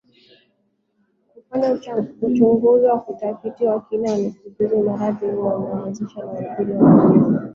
kufanya uchunguzi au utafiti wa kina ili kujua mradi huo unao anzishwa utaathiri wanyama